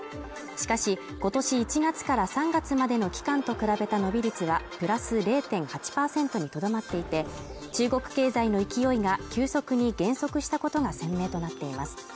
しかし、今年１月から３月までの期間と比べた伸び率はプラス０．８％にとどまっていて、中国経済の勢いが急速に減速したことが鮮明となっています。